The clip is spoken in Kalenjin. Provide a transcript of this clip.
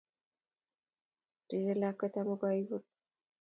Rirei lakwet amu kaibut